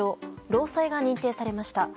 労災が認定されました。